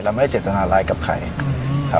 ผมไม่ได้กวนใครนะ